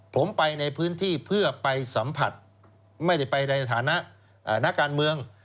ผมไปในพื้นที่เพื่อไปสัมผัสไม่ได้ไปในฐานะนักการเมือง